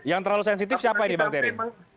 yang terlalu sensitif siapa ini bang terry